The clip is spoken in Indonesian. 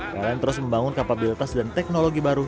pln terus membangun kapabilitas dan teknologi baru